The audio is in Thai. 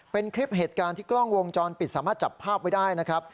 เป็นคลิปเหตุการณ์ที่กล้องวงจรปิดสามารถจับภาพไว้ได้นะครับ